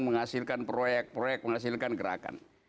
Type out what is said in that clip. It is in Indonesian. menghasilkan proyek proyek menghasilkan gerakan